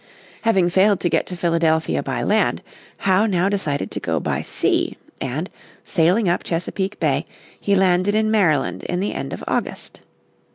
Having failed to get to Philadelphia by land, Howe now decided to go by sea, and , sailing up Chesapeake Bay, he landed in Maryland in the end of August.